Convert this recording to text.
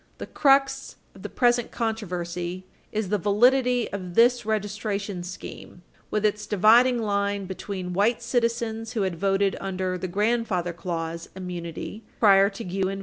The crux of the present controversy is the validity of this registration scheme, with its dividing line between white citizens who had voted under the "grandfather clause" immunity prior to Guinn v.